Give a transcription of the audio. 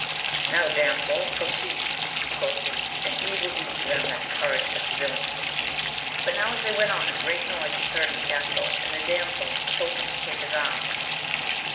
Now damsel proceed, quoth he, and evil be to them that encourage such vUlainy. But now as they went on, a great noise was heard in the castle, and the damsel told him to take his arms.